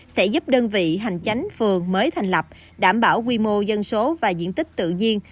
sẽ giúp đơn vị hành chánh phường mới thành lập đảm bảo quy mô dân số và diện tích tự nhiên